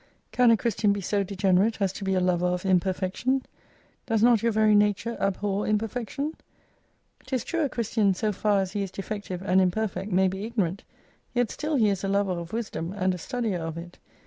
Can a Christian be so degenerate as to be a lover of imperfection ? Does not your very nature abhor imperfection ? 'Tis true a Christian so tar as he is defective and imperfect may be ignorant, yet still he is a lover of wisdom and a studier of it.